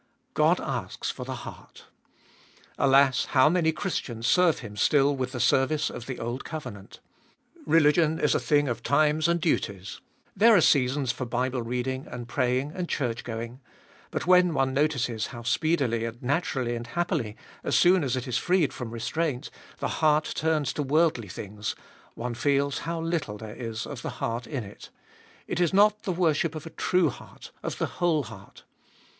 God asks for the heart. Alas, how many Christians serve Him still with the service of the old covenant. Religion is a thing of times and duties. There are seasons for Bible reading and praying and church going. But when one notices how speedily and naturally and happily, as soon as it is freed from restraint, the heart turns to worldly things, one feels how little there is of the heart in it : it is not the worship of a true heart, Iboliest of 2UI 371 of the whole heart.